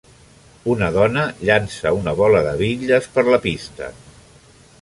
Una dona llança una bola de bitlles per la pista.